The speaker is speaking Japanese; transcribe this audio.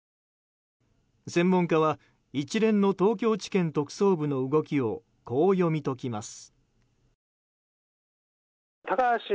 専門家は一連の東京地検特捜部の動きをこう読み解きます。